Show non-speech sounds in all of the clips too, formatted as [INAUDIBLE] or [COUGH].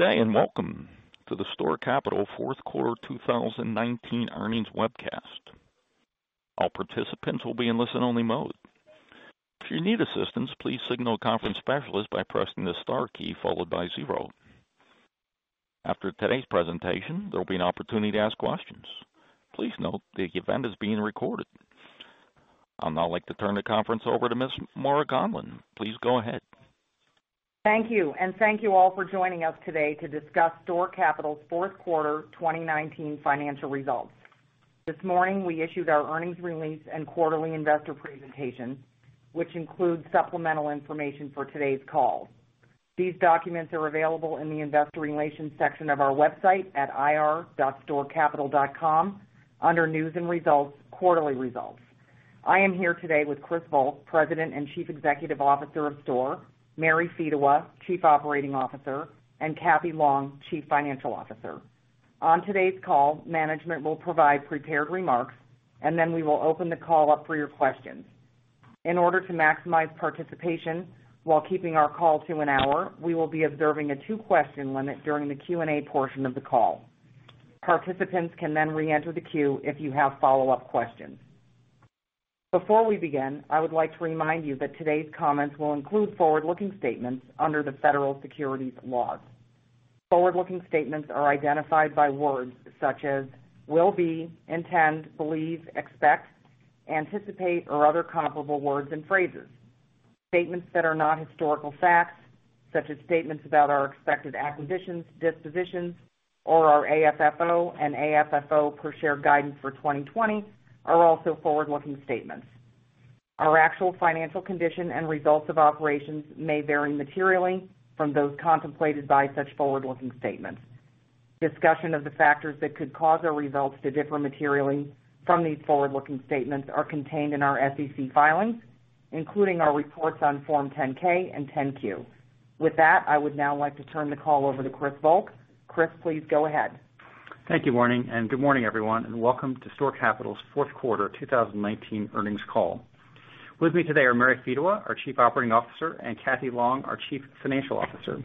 Good day, and welcome to the STORE Capital Fourth Quarter 2019 Earnings Webcast. All participants will be in listen-only mode. If you need assistance, please signal a conference specialist by pressing the star key followed by zero. After today's presentation, there will be an opportunity to ask questions. Please note, the event is being recorded. I'll now like to turn the conference over to Ms. Moira Conlon. Please go ahead. Thank you. Thank you all for joining us today to discuss STORE Capital's Fourth Quarter 2019 Financial Results. This morning, we issued our earnings release and quarterly investor presentation, which includes supplemental information for today's call. These documents are available in the investor relations section of our website at ir.storecapital.com under News and Results, Quarterly Results. I am here today with Chris Volk, President and Chief Executive Officer of STORE, Mary Fedewa, Chief Operating Officer, and Cathy Long, Chief Financial Officer. On today's call, management will provide prepared remarks, and then we will open the call up for your questions. In order to maximize participation while keeping our call to an hour, we will be observing a two-question limit during the Q&A portion of the call. Participants can then re-enter the queue if you have follow-up questions. Before we begin, I would like to remind you that today's comments will include forward-looking statements under the federal securities laws. Forward-looking statements are identified by words such as will be, intend, believe, expect, anticipate, or other comparable words and phrases. Statements that are not historical facts, such as statements about our expected acquisitions, dispositions, or our AFFO and AFFO per share guidance for 2020 are also forward-looking statements. Our actual financial condition and results of operations may vary materially from those contemplated by such forward-looking statements. Discussion of the factors that could cause our results to differ materially from these forward-looking statements are contained in our SEC filings, including our reports on Form 10-K and 10-Q. With that, I would now like to turn the call over to Chris Volk. Chris, please go ahead. Thank you, Moira, and good morning, everyone, and welcome to STORE Capital's fourth quarter 2019 earnings call. With me today are Mary Fedewa, our Chief Operating Officer, and Cathy Long, our Chief Financial Officer.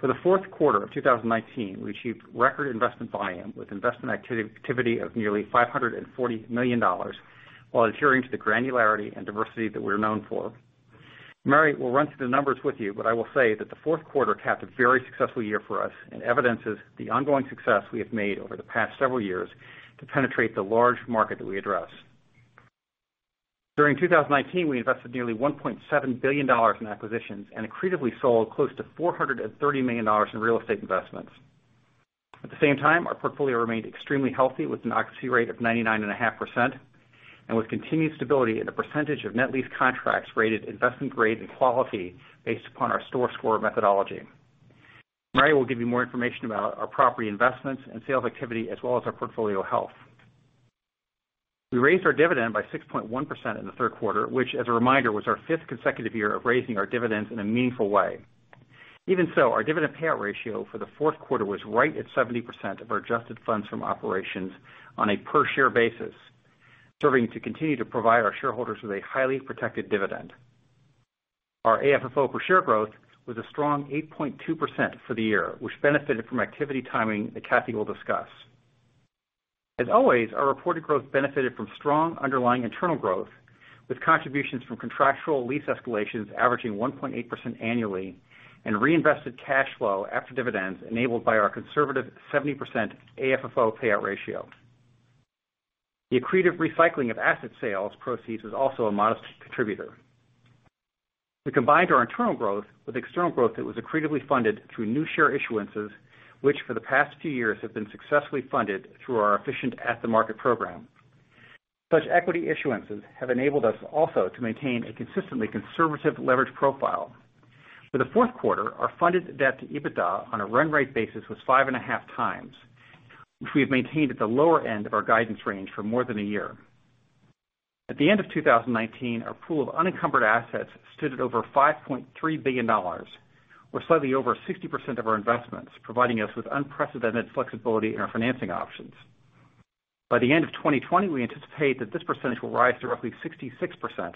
For the fourth quarter of 2019, we achieved record investment volume with investment activity of nearly $540 million, while adhering to the granularity and diversity that we're known for. Mary will run through the numbers with you, but I will say that the fourth quarter capped a very successful year for us and evidences the ongoing success we have made over the past several years to penetrate the large market that we address. During 2019, we invested nearly $1.7 billion in acquisitions and accretively sold close to $430 million in real estate investments. At the same time, our portfolio remained extremely healthy with an occupancy rate of 99.5%, and with continued stability in the percentage of net lease contracts rated investment-grade in quality based upon our STORE Score methodology. Mary will give you more information about our property investments and sales activity, as well as our portfolio health. We raised our dividend by 6.1% in the third quarter, which, as a reminder, was our fifth consecutive year of raising our dividends in a meaningful way. Even so, our dividend payout ratio for the fourth quarter was right at 70% of our adjusted funds from operations on a per-share basis, serving to continue to provide our shareholders with a highly protected dividend. Our AFFO per share growth was a strong 8.2% for the year, which benefited from activity timing that Cathy will discuss. As always, our reported growth benefited from strong underlying internal growth with contributions from contractual lease escalations averaging 1.8% annually and reinvested cash flow after dividends enabled by our conservative 70% AFFO payout ratio. The accretive recycling of asset sales proceeds is also a modest contributor. We combined our internal growth with external growth that was accretively funded through new share issuances, which for the past few years have been successfully funded through our efficient at-the-market program. Such equity issuances have enabled us also to maintain a consistently conservative leverage profile. For the fourth quarter, our funded debt-to-EBITDA on a run-rate basis was 5.5x, which we have maintained at the lower end of our guidance range for more than a year. At the end of 2019, our pool of unencumbered assets stood at over $5.3 billion, or slightly over 60% of our investments, providing us with unprecedented flexibility in our financing options. By the end of 2020, we anticipate that this percentage will rise to roughly 66%,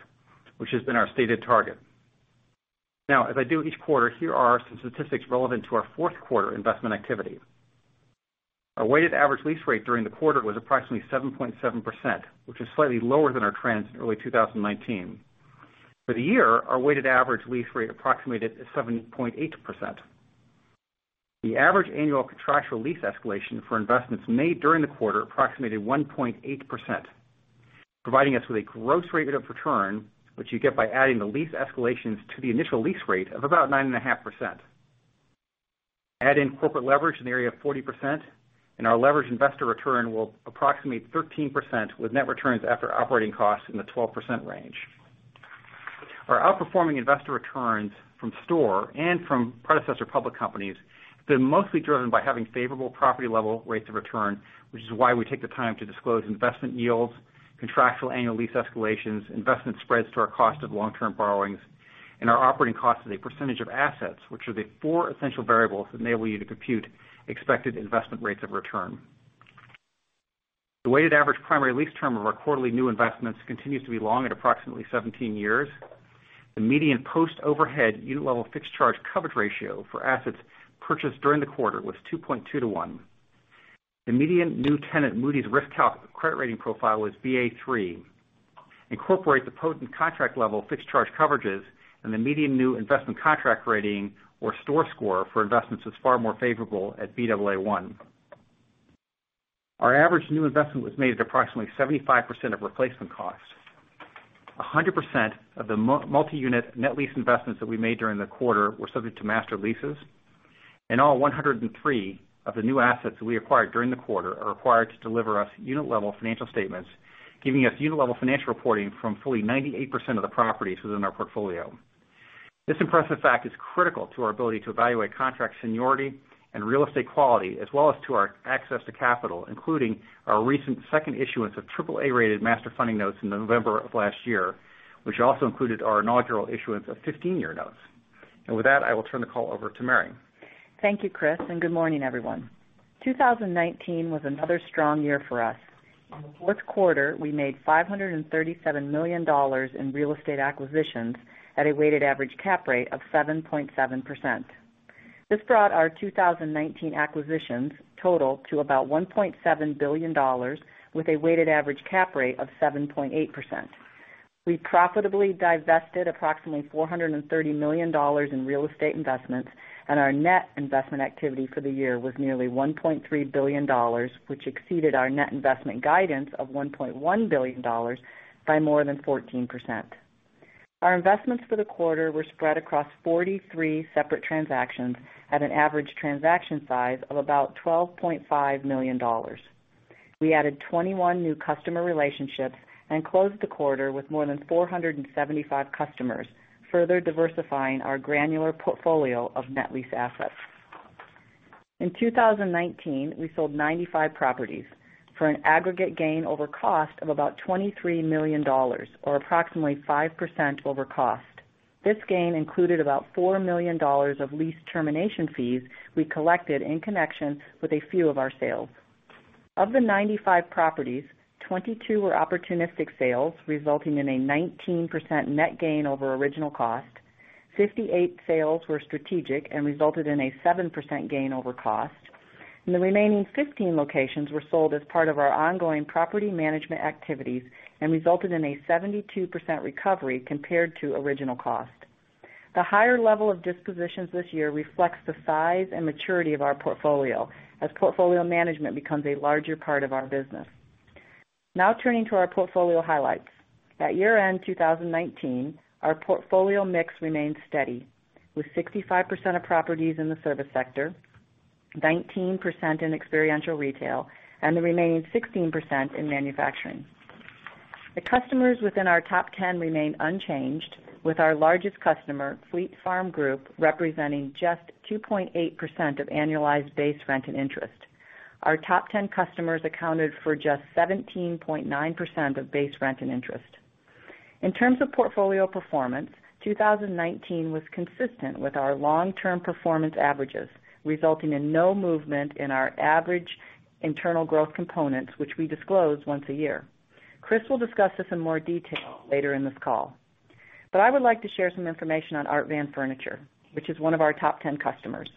which has been our stated target. Now, as I do each quarter, here are some statistics relevant to our fourth quarter investment activity. Our weighted average lease rate during the quarter was approximately 7.7%, which is slightly lower than our trends in early 2019. For the year, our weighted average lease rate approximated at 7.8%. The average annual contractual lease escalation for investments made during the quarter approximated 1.8%, providing us with a gross rate of return, which you get by adding the lease escalations to the initial lease rate of about 9.5%. Add in corporate leverage in the area of 40%, our leverage investor return will approximate 13% with net returns after operating costs in the 12% range. Our outperforming investor returns from STORE and from predecessor public companies have been mostly driven by having favorable property-level rates of return, which is why we take the time to disclose investment yields, contractual annual lease escalations, investment spreads to our cost of long-term borrowings, and our operating costs as a percentage of assets, which are the four essential variables that enable you to compute expected investment rates of return. The weighted average primary lease term of our quarterly new investments continues to be long at approximately 17 years. The median post-overhead unit-level fixed charge coverage ratio for assets purchased during the quarter was 2.2-1. The median new tenant Moody's Risk Calculator credit rating profile was Ba3. Incorporate the potent contract level fixed charge coverages, the median new investment contract rating or STORE Score for investments was far more favorable at Baa1. Our average new investment was made at approximately 75% of replacement costs. 100% of the multi-unit net lease investments that we made during the quarter were subject to master leases, and all 103 of the new assets that we acquired during the quarter are required to deliver us unit-level financial statements, giving us unit-level financial reporting from fully 98% of the properties within our portfolio. This impressive fact is critical to our ability to evaluate contract seniority and real estate quality, as well as to our access to capital, including our recent second issuance of AAA-rated master funding notes in November of last year, which also included our inaugural issuance of 15-year notes. With that, I will turn the call over to Mary. Thank you, Chris, and good morning, everyone. 2019 was another strong year for us. In the fourth quarter, we made $537 million in real estate acquisitions at a weighted average cap rate of 7.7%. This brought our 2019 acquisitions total to about $1.7 billion, with a weighted average cap rate of 7.8%. We profitably divested approximately $430 million in real estate investments, and our net investment activity for the year was nearly $1.3 billion, which exceeded our net investment guidance of $1.1 billion by more than 14%. Our investments for the quarter were spread across 43 separate transactions at an average transaction size of about $12.5 million. We added 21 new customer relationships and closed the quarter with more than 475 customers, further diversifying our granular portfolio of net lease assets. In 2019, we sold 95 properties for an aggregate gain over cost of about $23 million, or approximately 5% over cost. This gain included about $4 million of lease termination fees we collected in connection with a few of our sales. Of the 95 properties, 22 were opportunistic sales, resulting in a 19% net gain over original cost. 58 sales were strategic and resulted in a 7% gain over cost. The remaining 15 locations were sold as part of our ongoing property management activities and resulted in a 72% recovery compared to original cost. The higher level of dispositions this year reflects the size and maturity of our portfolio, as portfolio management becomes a larger part of our business. Now turning to our portfolio highlights. At year-end 2019, our portfolio mix remained steady, with 65% of properties in the service sector, 19% in experiential retail, and the remaining 16% in manufacturing. The customers within our top 10 remain unchanged, with our largest customer, Fleet Farm Group, representing just 2.8% of annualized base rent and interest. Our top 10 customers accounted for just 17.9% of base rent and interest. In terms of portfolio performance, 2019 was consistent with our long-term performance averages, resulting in no movement in our average internal growth components, which we disclose once a year. Chris will discuss this in more detail later in this call. I would like to share some information on Art Van Furniture, which is one of our top 10 customers.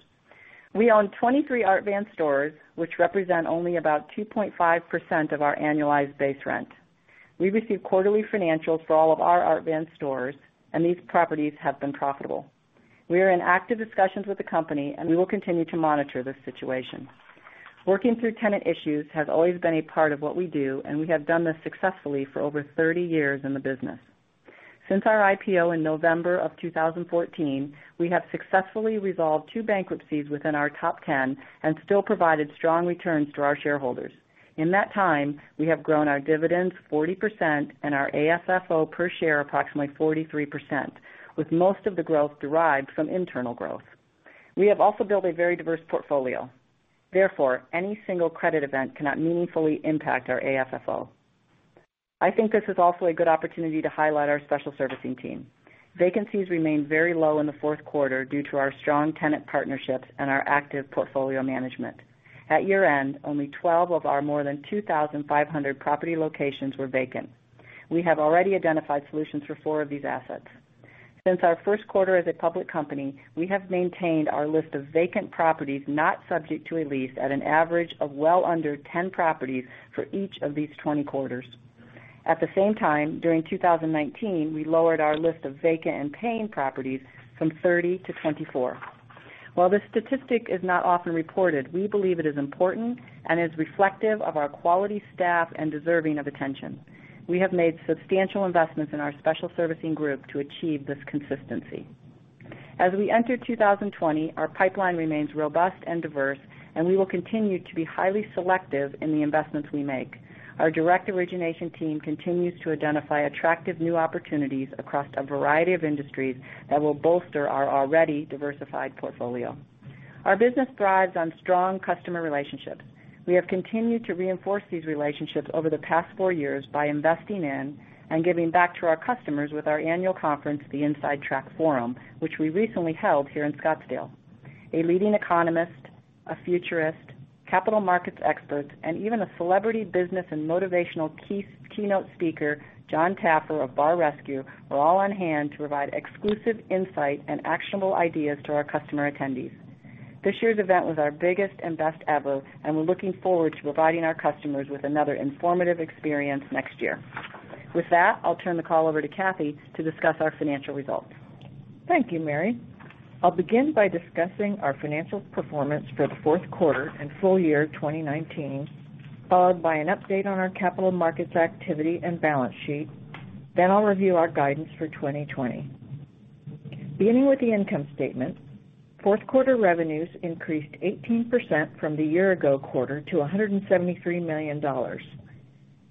We own 23 Art Van stores, which represent only about 2.5% of our annualized base rent. We receive quarterly financials for all of our Art Van stores, and these properties have been profitable. We are in active discussions with the company, and we will continue to monitor this situation. Working through tenant issues has always been a part of what we do, and we have done this successfully for over 30 years in the business. Since our IPO in November of 2014, we have successfully resolved two bankruptcies within our top 10 and still provided strong returns to our shareholders. In that time, we have grown our dividends 40% and our AFFO per share approximately 43%, with most of the growth derived from internal growth. We have also built a very diverse portfolio. Therefore, any single credit event cannot meaningfully impact our AFFO. I think this is also a good opportunity to highlight our special servicing team. Vacancies remained very low in the fourth quarter due to our strong tenant partnerships and our active portfolio management. At year-end, only 12 of our more than 2,500 property locations were vacant. We have already identified solutions for four of these assets. Since our first quarter as a public company, we have maintained our list of vacant properties not subject to a lease at an average of well under 10 properties for each of these 20 quarters. At the same time, during 2019, we lowered our list of vacant and paying properties from 30-24. While this statistic is not often reported, we believe it is important and is reflective of our quality staff and deserving of attention. We have made substantial investments in our special servicing group to achieve this consistency. As we enter 2020, our pipeline remains robust and diverse, and we will continue to be highly selective in the investments we make. Our direct origination team continues to identify attractive new opportunities across a variety of industries that will bolster our already diversified portfolio. Our business thrives on strong customer relationships. We have continued to reinforce these relationships over the past four years by investing in and giving back to our customers with our annual conference, the Inside Track Forum, which we recently held here in Scottsdale. A leading economist, a futurist, capital markets experts, and even a celebrity business and motivational keynote speaker, Jon Taffer of "Bar Rescue," were all on hand to provide exclusive insight and actionable ideas to our customer attendees. This year's event was our biggest and best ever, and we're looking forward to providing our customers with another informative experience next year. With that, I'll turn the call over to Cathy to discuss our financial results. Thank you, Mary. I'll begin by discussing our financial performance for the fourth quarter and full year 2019, followed by an update on our capital markets activity and balance sheet. I'll review our guidance for 2020. Beginning with the income statement, fourth-quarter revenues increased 18% from the year-ago quarter to $173 million.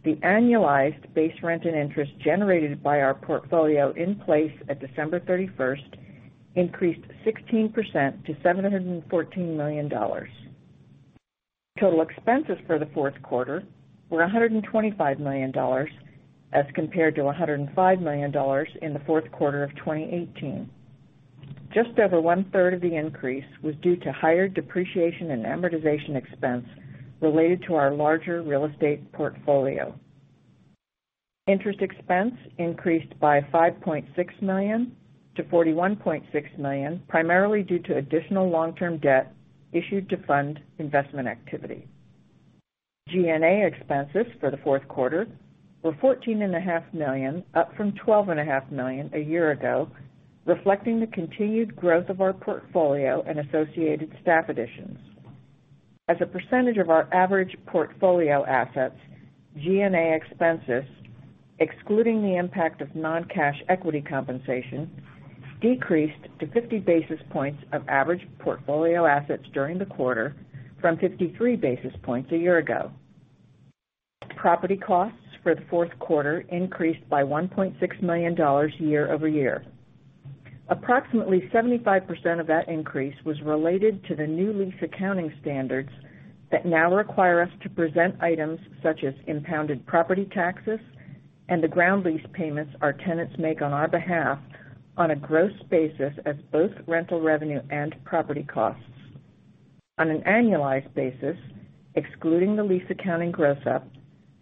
The annualized base rent and interest generated by our portfolio in place at December 31st increased 16% to $714 million. Total expenses for the fourth quarter were $125 million as compared to $105 million in the fourth quarter of 2018. Just over one-third of the increase was due to higher depreciation and amortization expense related to our larger real estate portfolio. Interest expense increased by $5.6 million-$41.6 million, primarily due to additional long-term debt issued to fund investment activity. G&A expenses for the fourth quarter were $14.5 million, up from $12.5 million a year ago, reflecting the continued growth of our portfolio and associated staff additions. As a percentage of our average portfolio assets, G&A expenses, excluding the impact of non-cash equity compensation, decreased to 50 basis points of average portfolio assets during the quarter from 53 basis points a year ago. Property costs for the fourth quarter increased by $1.6 million year-over-year. Approximately 75% of that increase was related to the new lease accounting standards that now require us to present items such as impounded property taxes and the ground lease payments our tenants make on our behalf on a gross basis as both rental revenue and property costs. On an annualized basis, excluding the lease accounting gross-up,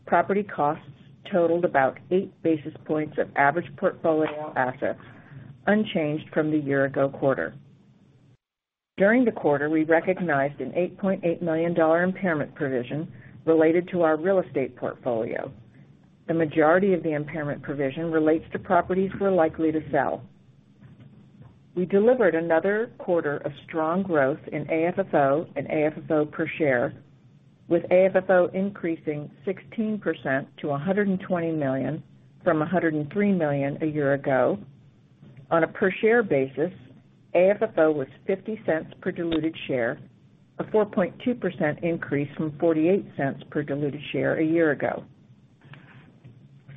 property costs totaled about eight basis points of average portfolio assets, unchanged from the year-ago quarter. During the quarter, we recognized an $8.8 million impairment provision related to our real estate portfolio. The majority of the impairment provision relates to properties we're likely to sell. We delivered another quarter of strong growth in AFFO and AFFO per share, with AFFO increasing 16% to $120 million from $103 million a year ago. On a per share basis, AFFO was $0.50 per diluted share, a 4.2% increase from $0.48 per diluted share a year ago.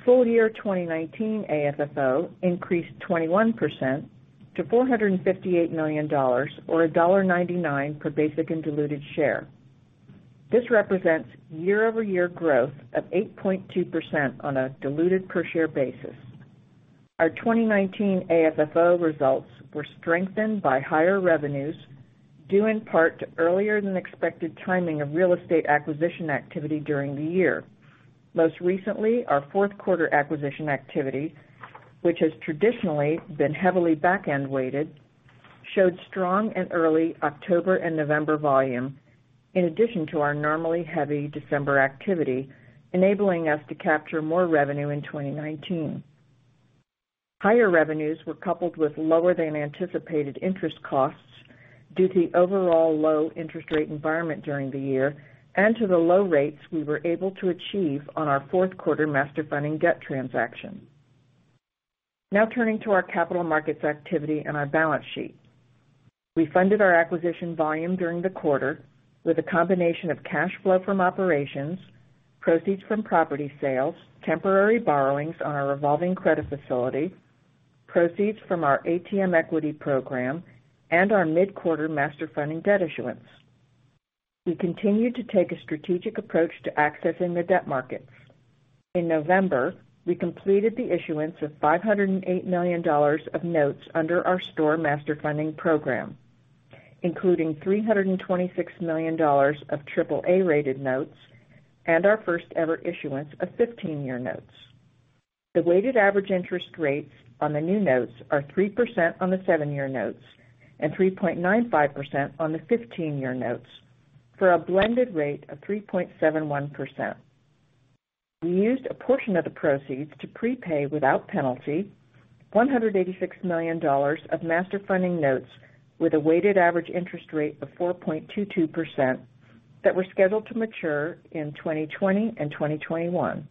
Full-year 2019 AFFO increased 21% to $458 million, or $1.99 per basic and diluted share. This represents year-over-year growth of 8.2% on a diluted per share basis. Our 2019 AFFO results were strengthened by higher revenues, due in part to earlier-than-expected timing of real estate acquisition activity during the year. Most recently, our fourth quarter acquisition activity, which has traditionally been heavily back-end weighted, showed strong and early October and November volume, in addition to our normally heavy December activity, enabling us to capture more revenue in 2019. Higher revenues were coupled with lower-than-anticipated interest costs due to the overall low interest rate environment during the year and to the low rates we were able to achieve on our fourth quarter Master Funding debt transaction. Turning to our capital markets activity and our balance sheet. We funded our acquisition volume during the quarter with a combination of cash flow from operations, proceeds from property sales, temporary borrowings on our revolving credit facility, proceeds from our ATM Equity Program, and our mid-quarter Master Funding debt issuance. We continued to take a strategic approach to accessing the debt markets. In November, we completed the issuance of $508 million of notes under our STORE Master Funding program, including $326 million of AAA-rated notes and our first-ever issuance of 15-year notes. The weighted average interest rates on the new notes are 3% on the seven-year notes and 3.95% on the 15-year notes, for a blended rate of 3.71%. We used a portion of the proceeds to prepay without penalty $186 million of Master Funding Notes with a weighted average interest rate of 4.22% that were scheduled to mature in 2020 and 2021.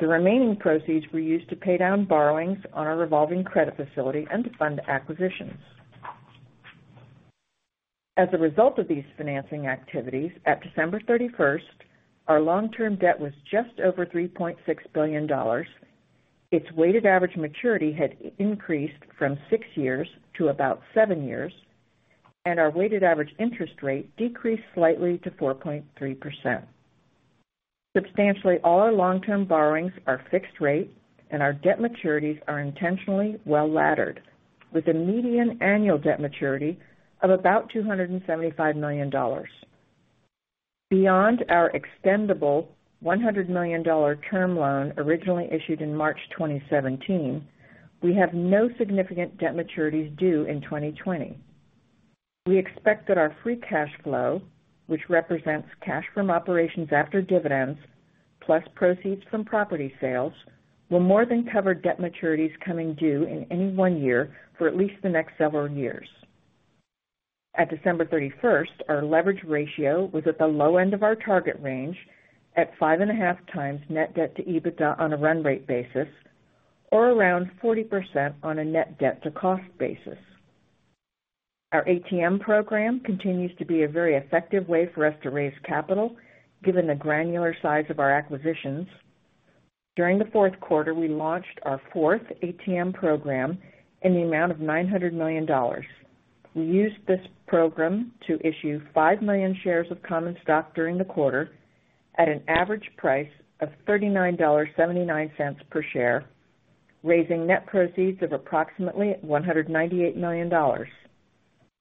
The remaining proceeds were used to pay down borrowings on our revolving credit facility and to fund acquisitions. As a result of these financing activities, at December 31st, our long-term debt was just over $3.6 billion. Its weighted average maturity had increased from six years to about seven years, and our weighted average interest rate decreased slightly to 4.3%. Substantially all our long-term borrowings are fixed rate, and our debt maturities are intentionally well-laddered, with a median annual debt maturity of about $275 million. Beyond our extendible $100 million term loan originally issued in March 2017, we have no significant debt maturities due in 2020. We expect that our free cash flow, which represents cash from operations after dividends, plus proceeds from property sales, will more than cover debt maturities coming due in any one year for at least the next several years. At December 31st, our leverage ratio was at the low end of our target range at 5.5x net debt to EBITDA on a run rate basis, or around 40% on a net debt to cost basis. Our ATM Program continues to be a very effective way for us to raise capital given the granular size of our acquisitions. During the fourth quarter, we launched our fourth ATM Program in the amount of $900 million. We used this program to issue 5 million shares of common stock during the quarter at an average price of $39.79 per share, raising net proceeds of approximately $198 million.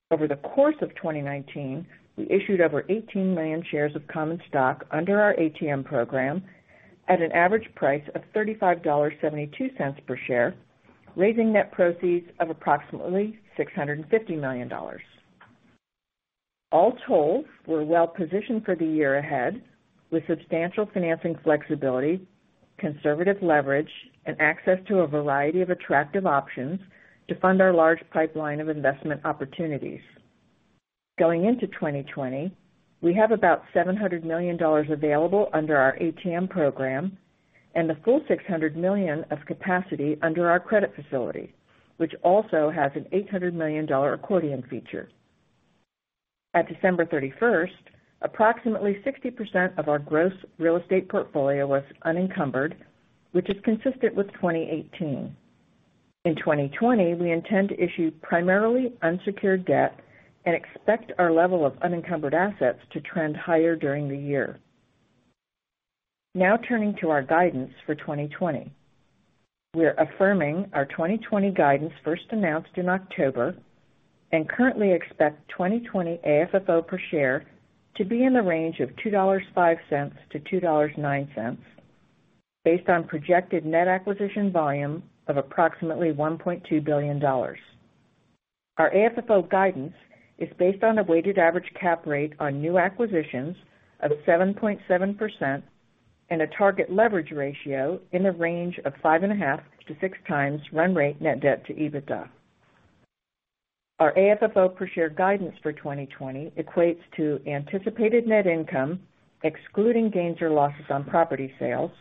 Over the course of 2019, we issued over 18 million shares of common stock under our ATM Program at an average price of $35.72 per share, raising net proceeds of approximately $650 million. All told, we're well-positioned for the year ahead with substantial financing flexibility, conservative leverage, and access to a variety of attractive options to fund our large pipeline of investment opportunities. Going into 2020, we have about $700 million available under our ATM Program and the full $600 million of capacity under our credit facility, which also has an $800 million accordion feature. At December 31st, approximately 60% of our gross real estate portfolio was unencumbered, which is consistent with 2018. In 2020, we intend to issue primarily unsecured debt and expect our level of unencumbered assets to trend higher during the year. Turning to our guidance for 2020. We're affirming our 2020 guidance first announced in October and currently expect 2020 AFFO per share to be in the range of $2.05-$2.09 based on projected net acquisition volume of approximately $1.2 billion. Our AFFO guidance is based on a weighted average cap rate on new acquisitions of 7.7% and a target leverage ratio in the range of 5.5x-6x run rate net debt to EBITDA. Our AFFO per share guidance for 2020 equates to anticipated net income excluding gains or losses on property sales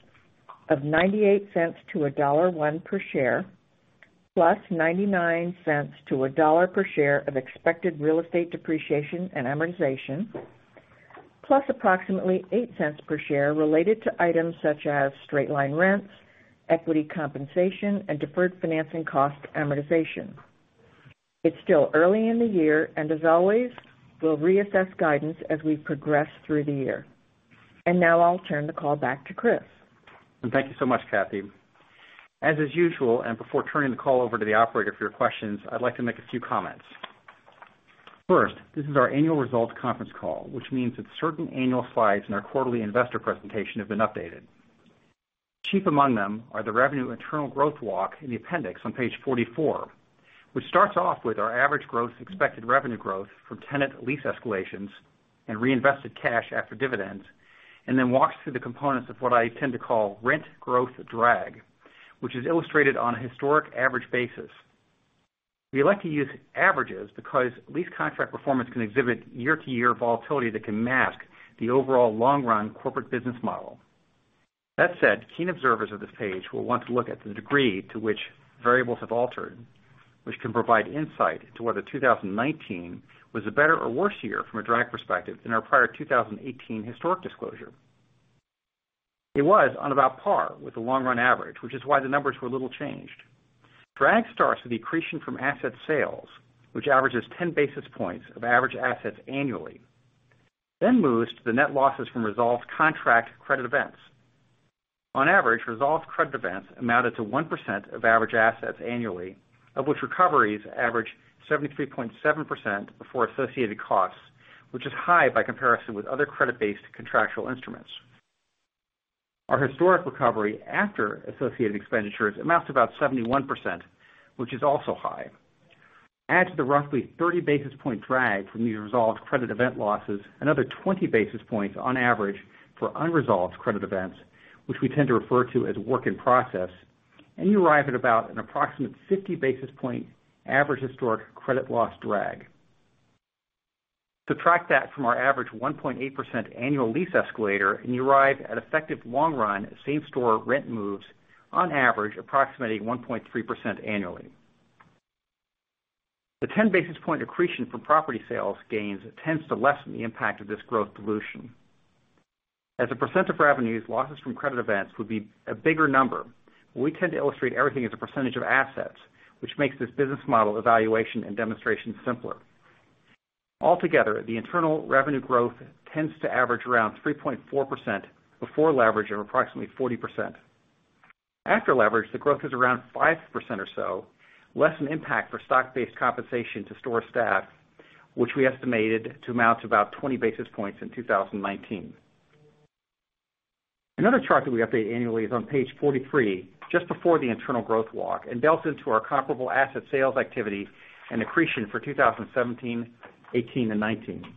of $0.98-$1.01 per share, +$0.99-$1.00 per share of expected real estate depreciation and amortization, plus approximately $0.08 per share related to items such as straight-line rents, equity compensation, and deferred financing cost amortization. It's still early in the year, as always, we'll reassess guidance as we progress through the year. Now I'll turn the call back to Chris. Thank you so much, Cathy. As is usual, and before turning the call over to the operator for your questions, I'd like to make a few comments. First, this is our annual results conference call, which means that certain annual slides in our quarterly investor presentation have been updated. Chief among them are the revenue internal growth walk in the appendix on page 44, which starts off with our average gross expected revenue growth from tenant lease escalations and reinvested cash after dividends, and then walks through the components of what I tend to call rent growth drag, which is illustrated on a historic average basis. We like to use averages because lease contract performance can exhibit year-to-year volatility that can mask the overall long-run corporate business model. That said, keen observers of this page will want to look at the degree to which variables have altered, which can provide insight into whether 2019 was a better or worse year from a drag perspective than our prior 2018 historic disclosure. It was on about par with the long-run average, which is why the numbers were little changed. Drag starts with accretion from asset sales, which averages 10 basis points of average assets annually, then moves to the net losses from resolved contract credit events. On average, resolved credit events amounted to 1% of average assets annually, of which recoveries average 73.7% before associated costs, which is high by comparison with other credit-based contractual instruments. Our historic recovery after associated expenditures amounts to about 71%, which is also high. Add to the roughly 30 basis point drag from these resolved credit event losses, another 20 basis points on average for unresolved credit events, which we tend to refer to as work in process, and you arrive at about an approximate 50 basis point average historic credit loss drag. Subtract that from our average 1.8% annual lease escalator, and you arrive at effective long run same-store rent moves on average approximately 1.3% annually. The 10 basis point accretion from property sales gains tends to lessen the impact of this growth dilution. As a percent of revenues, losses from credit events would be a bigger number. We tend to illustrate everything as a percentage of assets, which makes this business model evaluation and demonstration simpler. Altogether, the internal revenue growth tends to average around 3.4% before leverage of approximately 40%. After leverage, the growth is around 5% or so, less an impact for stock-based compensation to STORE staff, which we estimated to amount to about 20 basis points in 2019. Another chart that we update annually is on page 43, just before the internal growth walk, and delves into our comparable asset sales activity and accretion for 2017, 2018, and 2019.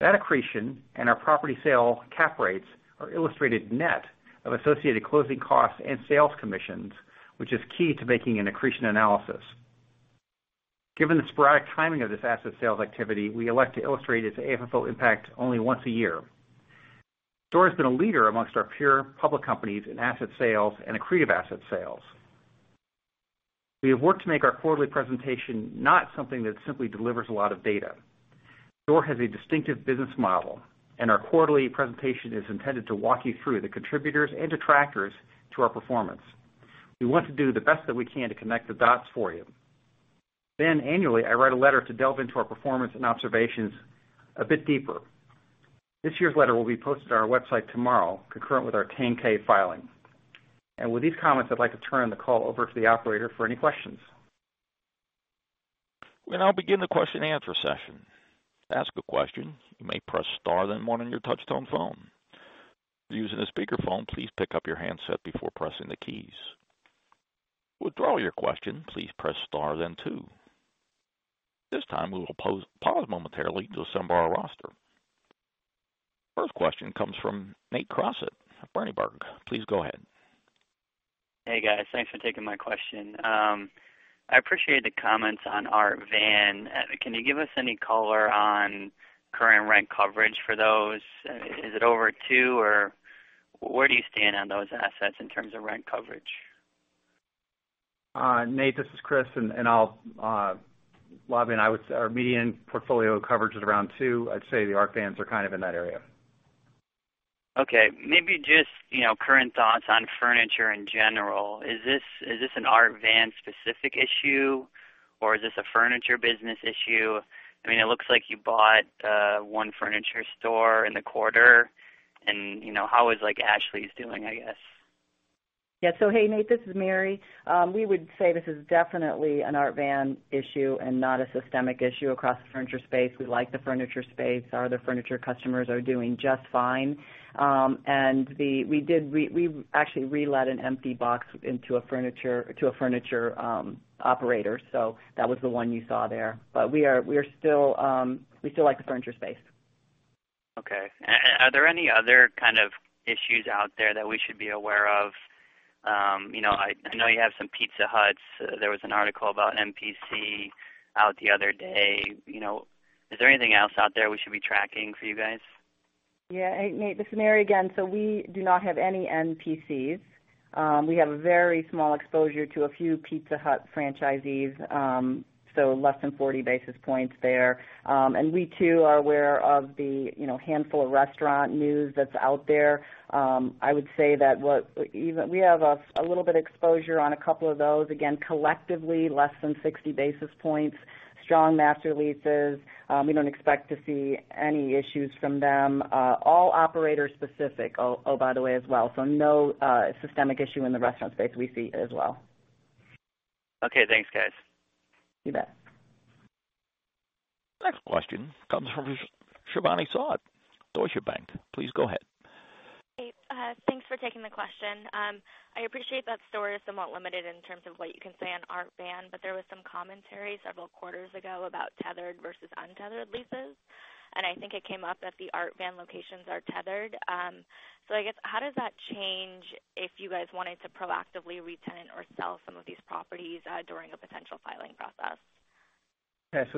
That accretion and our property sale cap rates are illustrated net of associated closing costs and sales commissions, which is key to making an accretion analysis. Given the sporadic timing of this asset sales activity, we elect to illustrate its AFFO impact only once a year. STORE has been a leader amongst our peer public companies in asset sales and accretive asset sales. We have worked to make our quarterly presentation not something that simply delivers a lot of data. STORE has a distinctive business model, and our quarterly presentation is intended to walk you through the contributors and detractors to our performance. We want to do the best that we can to connect the dots for you. Annually, I write a letter to delve into our performance and observations a bit deeper. This year's letter will be posted on our website tomorrow, concurrent with our 10-K filing. With these comments, I'd like to turn the call over to the operator for any questions. We now begin the question and answer session. To ask a question, you may press star then one on your touch-tone phone. If you're using a speakerphone, please pick up your handset before pressing the keys. To withdraw your question, please press star then two. At this time, we will pause momentarily to assemble our roster. First question comes from Nate Crossett of Berenberg. Please go ahead. Hey, guys. Thanks for taking my question. I appreciate the comments on Art Van. Can you give us any color on current rent coverage for those? Is it over two, or where do you stand on those assets in terms of rent coverage? Nate, this is Chris, and lobby and I would say our median portfolio coverage is around two. I'd say the Art Vans are kind of in that area. Okay. Maybe just current thoughts on furniture in general. Is this an Art Van-specific issue, or is this a furniture business issue? It looks like you bought one furniture store in the quarter, and how is Ashley's doing, I guess? Yeah. Hey, Nate. This is Mary. We would say this is definitely an Art Van issue and not a systemic issue across the furniture space. We like the furniture space. Our other furniture customers are doing just fine. We actually relet an empty box to a furniture operator. That was the one you saw there. We still like the furniture space. Okay. Are there any other kind of issues out there that we should be aware of? I know you have some Pizza Huts. There was an article about NPC out the other day. Is there anything else out there we should be tracking for you guys? Yeah. Hey, Nate, this is Mary again. We do not have any NPCs. We have a very small exposure to a few Pizza Hut franchisees, so less than 40 basis points there. We too are aware of the handful of restaurant news that's out there. I would say that we have a little bit of exposure on a couple of those. Again, collectively, less than 60 basis points, strong master leases. We don't expect to see any issues from them. All operator specific, oh, by the way, as well. No systemic issue in the restaurant space we see as well. Okay. Thanks, guys. You bet. Next question comes from Shivani Sood, Deutsche Bank. Please go ahead. Hey. Thanks for taking the question. I appreciate that STORE is somewhat limited in terms of what you can say on Art Van, but there was some commentary several quarters ago about tethered versus untethered leases, and I think it came up that the Art Van locations are tethered. I guess, how does that change if you guys wanted to proactively retenant or sell some of these properties during a potential filing process? Okay.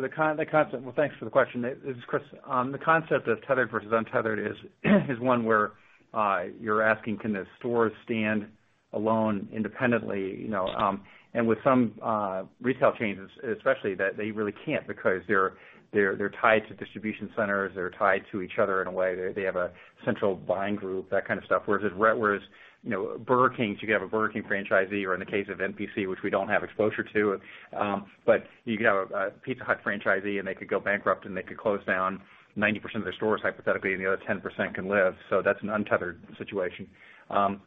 Well, thanks for the question. This is Chris. The concept of tethered versus untethered is one where you're asking, can the stores stand alone independently? With some retail chains, especially, they really can't because they're tied to distribution centers. They're tied to each other in a way. They have a central buying group, that kind of stuff. Whereas Burger King, you have a Burger King franchisee, or in the case of NPC, which we don't have exposure to. You could have a Pizza Hut franchisee, and they could go bankrupt, and they could close down 90% of their stores, hypothetically, and the other 10% can live. That's an untethered situation. In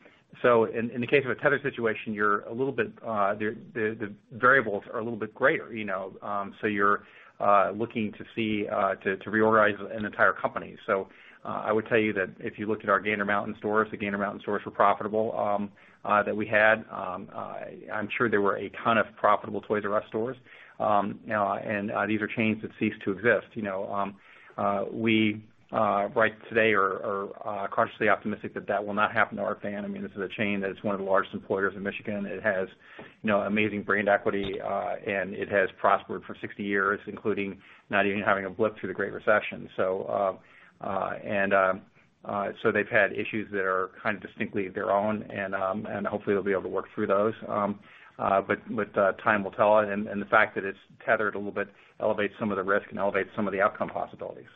the case of a tethered situation, the variables are a little bit greater. You're looking to reorganize an entire company. I would tell you that if you looked at our Gander Mountain stores, the Gander Mountain stores were profitable that we had. I'm sure there were a ton of profitable Toys 'R' Us stores. These are chains that ceased to exist. We, right today, are cautiously optimistic that that will not happen to Art Van. This is a chain that is one of the largest employers in Michigan. It has amazing brand equity, and it has prospered for 60 years, including not even having a blip through the Great Recession. They've had issues that are kind of distinctly their own, and hopefully they'll be able to work through those. Time will tell, and the fact that it's tethered a little bit elevates some of the risk and elevates some of the outcome possibilities.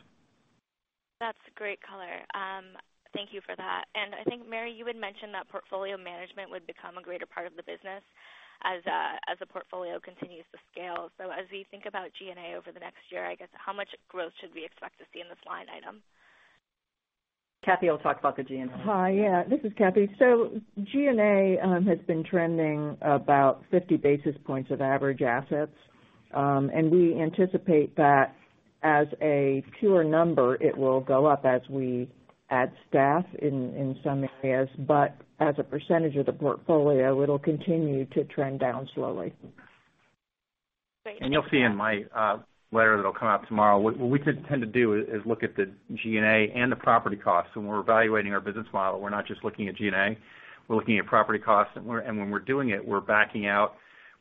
That's great color. Thank you for that. I think, Mary, you had mentioned that portfolio management would become a greater part of the business as the portfolio continues to scale. As we think about G&A over the next year, I guess, how much growth should we expect to see in this line item? Cathy will talk about the G&A. Hi, yeah. This is Cathy. G&A has been trending about 50 basis points of average assets. We anticipate that as a pure number, it will go up as we add staff in some areas, but as a percentage of the portfolio, it'll continue to trend down slowly. Thank you. You'll see in my letter that'll come out tomorrow. What we tend to do is look at the G&A and the property costs. When we're evaluating our business model, we're not just looking at G&A, we're looking at property costs. When we're doing it, we're backing out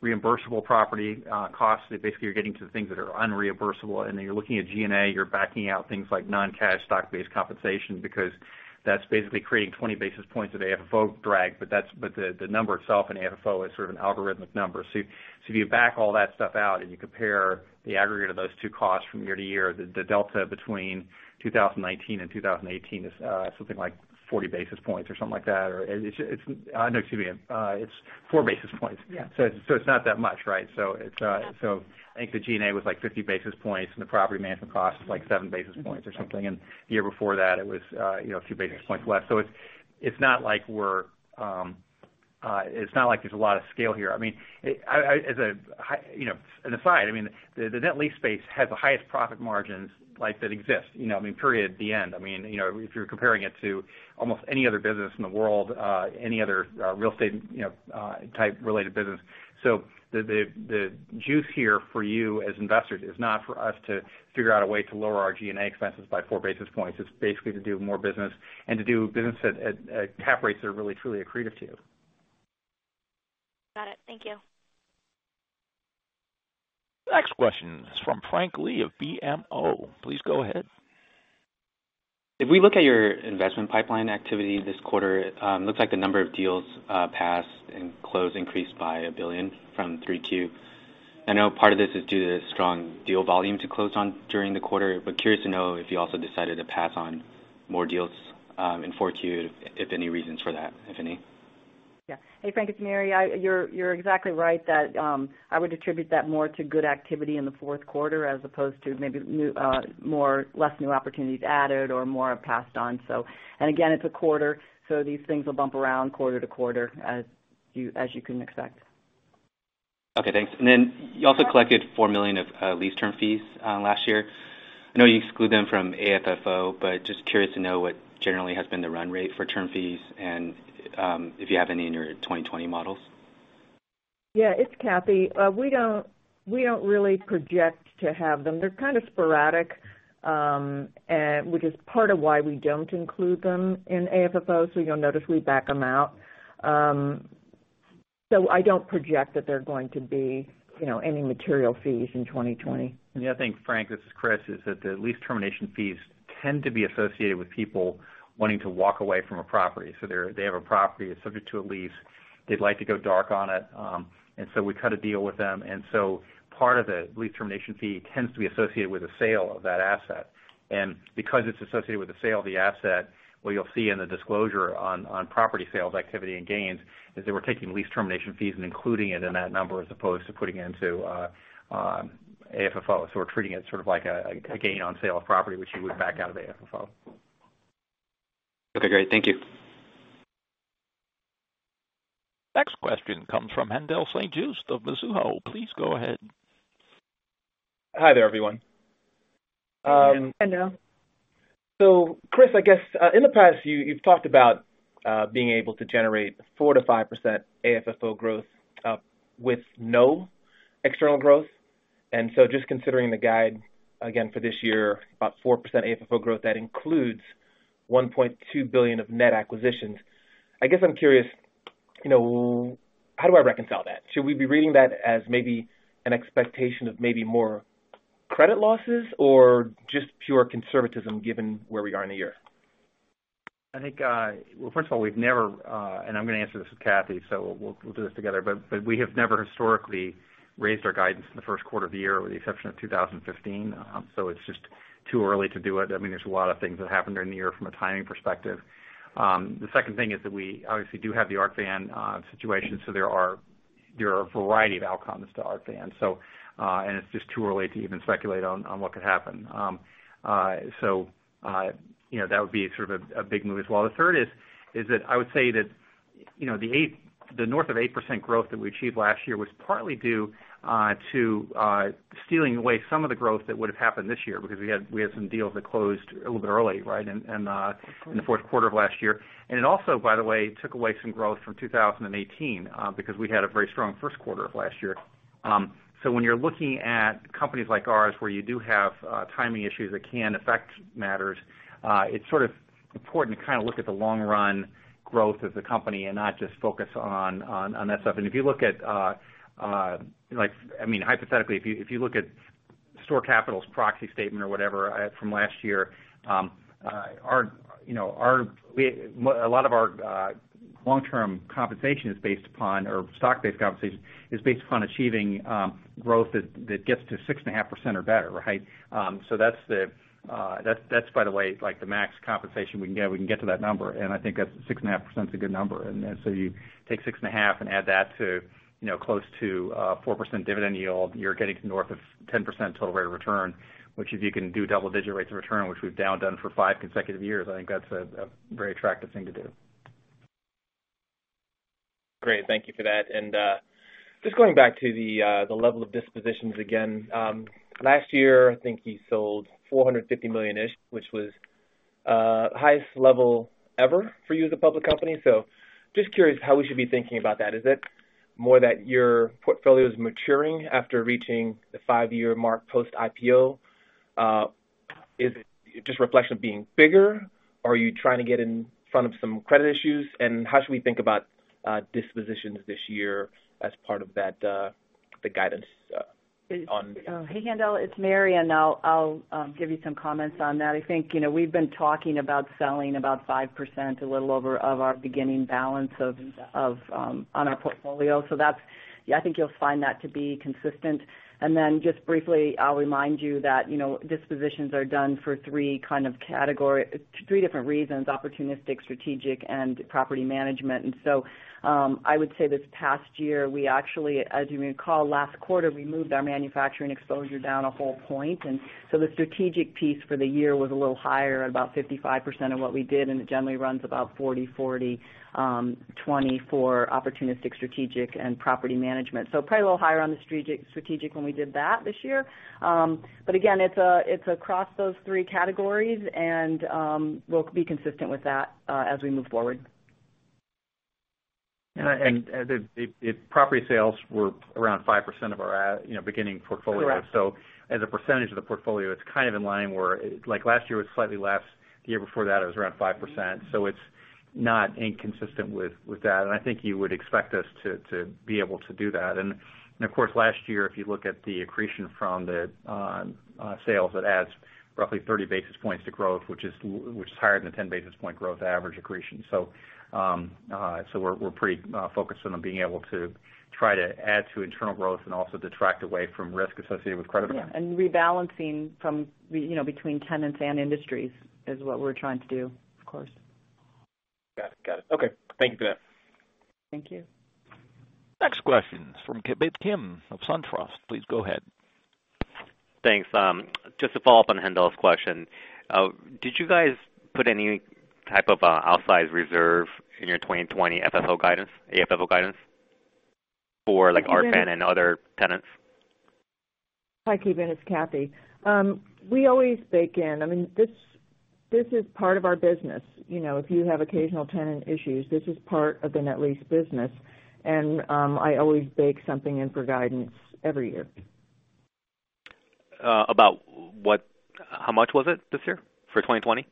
reimbursable property costs that basically you're getting to the things that are unreimbursable, then you're looking at G&A, you're backing out things like non-cash stock-based compensation, because that's basically creating 20 basis points of AFFO drag. The number itself in AFFO is sort of an algorithmic number. If you back all that stuff out and you compare the aggregate of those two costs from year to year, the delta between 2019 and 2018 is something like 40 basis points or something like that, or it's No, excuse me. It's four basis points. Yeah. It's not that much, right? Yeah. I think the G&A was like 50 basis points, the property management cost was like seven basis points or something. The year before that, it was a few basis points less. It's not like there's a lot of scale here. As an aside, the net lease space has the highest profit margins that exist, period. The end. If you're comparing it to almost any other business in the world, any other real estate type related business. The juice here for you as investors is not for us to figure out a way to lower our G&A expenses by four basis points. It's basically to do more business and to do business at cap rates that are really, truly accretive to you. Got it. Thank you. Next question is from Frank Lee of BMO. Please go ahead. If we look at your investment pipeline activity this quarter, it looks like the number of deals passed and closed increased by $1 billion from three two. I know part of this is due to strong deal volume to close on during the quarter, curious to know if you also decided to pass on more deals in four two, if any reasons for that, if any? Yeah. Hey, Frank, it's Mary. You're exactly right that I would attribute that more to good activity in the fourth quarter as opposed to maybe less new opportunities added or more have passed on. Again, it's a quarter, so these things will bump around quarter to quarter as you can expect. Okay, thanks. You also collected $4 million of lease term fees last year. I know you exclude them from AFFO, but just curious to know what generally has been the run rate for term fees and if you have any in your 2020 models. Yeah, it's Cathy. We don't really project to have them. They're kind of sporadic, which is part of why we don't include them in AFFO, so you'll notice we back them out. I don't project that they're going to be any material fees in 2020. The other thing, Frank, this is Chris, is that the lease termination fees tend to be associated with people wanting to walk away from a property. They have a property, it's subject to a lease, they'd like to go dark on it. We cut a deal with them, and so part of the lease termination fee tends to be associated with the sale of that asset. Because it's associated with the sale of the asset, what you'll see in the disclosure on property sales activity and gains is that we're taking lease termination fees and including it in that number as opposed to putting it into AFFO. We're treating it sort of like a gain on sale of property, which you would back out of AFFO. Okay, great. Thank you. Next question comes from Haendel St. Juste of Mizuho. Please go ahead. Hi there, everyone. Hi, Haendel. Chris, I guess, in the past you've talked about being able to generate 4%-5% AFFO growth with no external growth. Just considering the guide again for this year, about 4% AFFO growth, that includes $1.2 billion of net acquisitions. I guess I'm curious, how do I reconcile that? Should we be reading that as maybe an expectation of maybe more credit losses or just pure conservatism given where we are in the year? I think, well, first of all, we've never, and I'm going to answer this with Cathy, so we'll do this together. We have never historically raised our guidance in the first quarter of the year with the exception of 2015. It's just too early to do it. There's a lot of things that happen during the year from a timing perspective. The second thing is that we obviously do have the Art Van situation, there are a variety of outcomes to Art Van. It's just too early to even speculate on what could happen. That would be sort of a big move as well. The third is that I would say that the north of 8% growth that we achieved last year was partly due to stealing away some of the growth that would've happened this year because we had some deals that closed a little bit early, in the fourth quarter of last year. It also, by the way, took away some growth from 2018, because we had a very strong first quarter of last year. When you're looking at companies like ours where you do have timing issues that can affect matters, it's sort of important to kind of look at the long-run growth of the company and not just focus on that stuff. If you look at, hypothetically, if you look at STORE Capital's proxy statement or whatever from last year, a lot of our long-term compensation is based upon, or stock-based compensation is based upon achieving growth that gets to 6.5% or better, right? That's by the way, like the max compensation we can get if we can get to that number. I think that 6.5% is a good number. You take 6.5 and add that to close to 4% dividend yield, you're getting north of 10% total rate of return, which if you can do double-digit rates of return, which we've now done for five consecutive years, I think that's a very attractive thing to do. Great. Thank you for that. Just going back to the level of dispositions again. Last year, I think you sold $450 million-ish, which was highest level ever for you as a public company. Just curious how we should be thinking about that. Is it more that your portfolio is maturing after reaching the five-year mark post-IPO? Is it just a reflection of being bigger, or are you trying to get in front of some credit issues? How should we think about dispositions this year as part of the guidance? Hey, Haendel, it's Mary, and I'll give you some comments on that. I think we've been talking about selling about 5%, a little over, of our beginning balance on our portfolio. That's, I think you'll find that to be consistent. Just briefly, I'll remind you that dispositions are done for three kind of category three different reasons, opportunistic, strategic, and property management. I would say this past year, we actually, as you may recall, last quarter, we moved our manufacturing exposure down a whole point. The strategic piece for the year was a little higher, at about 55% of what we did, and it generally runs about 40/40/20 for opportunistic, strategic, and property management. Probably a little higher on the strategic when we did that this year. Again, it's across those three categories, and we'll be consistent with that as we move forward. The property sales were around 5% of our beginning portfolio. Correct. As a percentage of the portfolio, it's kind of in line where like last year, it was slightly less. The year before that, it was around 5%. It's not inconsistent with that. I think you would expect us to be able to do that. Of course, last year, if you look at the accretion from the sales, it adds roughly 30 basis points to growth, which is higher than the 10-basis-point growth average accretion. We're pretty focused on being able to try to add to internal growth and also detract away from risk associated with credit. Yeah. Rebalancing between tenants and industries is what we're trying to do, of course. Got it. Okay. Thank you for that. Thank you. Next question from Ki Bin Kim of SunTrust. Please go ahead. Thanks. Just to follow up on Haendel's question. Did you guys put any type of an outsized reserve in your 2020 FFO guidance, AFFO guidance for Art Van and other tenants? Hi, Ki Bin, it's Cathy. We always bake in. This is part of our business. If you have occasional tenant issues, this is part of the net lease business. I always bake something in for guidance every year. About how much was it this year, for 2020?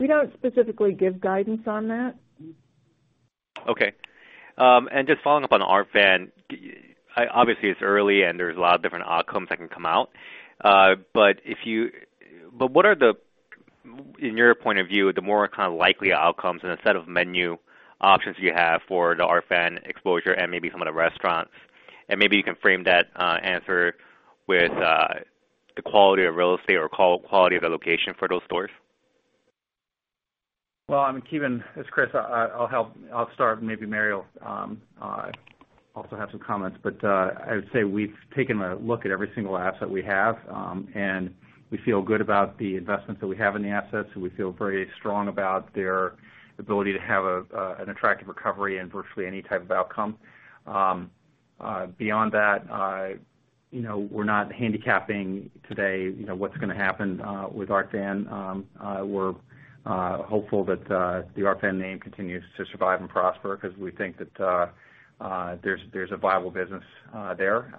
We don't specifically give guidance on that. Okay. Just following up on Art Van. Obviously, it's early, and there's a lot of different outcomes that can come out. What are the, in your point of view, the more kind of likely outcomes and the set of menu options you have for the Art Van exposure and maybe some of the restaurants? Maybe you can frame that answer with the quality of real estate or quality of the location for those stores. Well, Ki Bin, it's Chris. I'll help. I'll start, maybe Mary also have some comments. I would say we've taken a look at every single asset we have, and we feel good about the investments that we have in the assets, and we feel very strong about their ability to have an attractive recovery in virtually any type of outcome. Beyond that, we're not handicapping today what's going to happen with Art Van. We're hopeful that the Art Van name continues to survive and prosper because we think that there's a viable business there.